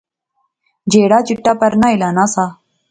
جیہڑا چٹا پرنا ہلانا سا